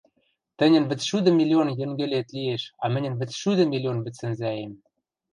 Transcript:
Тӹньӹн вӹцшӱдӹ миллион йӹнгӹлет лиэш, а мӹньӹн — вӹцшӱдӹ миллион вӹдсӹнзӓэм...